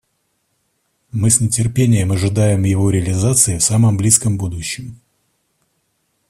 Мы с нетерпением ожидаем его реализации в самом близком будущем.